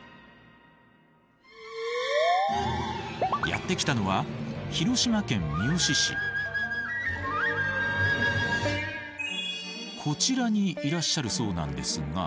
やって来たのはこちらにいらっしゃるそうなんですが。